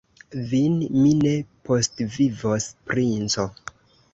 Vin mi ne postvivos, princo!